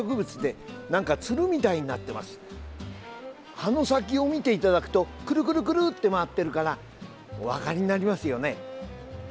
葉の先を見ていただくとくるくるくるって回ってるから分かりますよね。